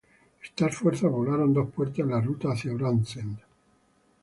Estas fuerzas volaron dos puentes en la ruta hacia Brandsen.